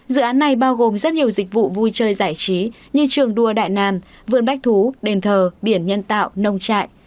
dự án này bao gồm rất nhiều dịch vụ vui chơi giải trí như trường đua đại ngàn vườn bách thú đền thờ biển nhân tạo nông trại